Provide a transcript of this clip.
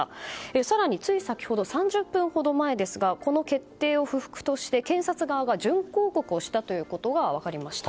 更につい先ほど３０分ほど前ですがこの決定を不服として検察側が準抗告をしたということが分かりました。